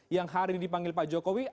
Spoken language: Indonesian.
yang hari ini dipanggil pak jokowi